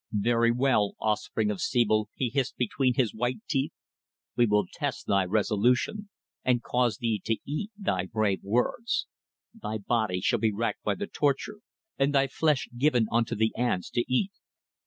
"Very well, offspring of sebel," he hissed between his white teeth. "We will test thy resolution, and cause thee to eat thy brave words. Thy body shall be racked by the torture, and thy flesh given unto the ants to eat."